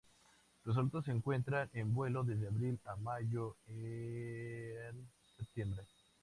Los adultos se encuentran en vuelo desde Abril a Mayo y en Septiembre.